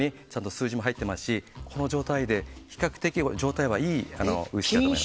数字も入っていますしこの状態で比較的、状態がいいウイスキーだと思います。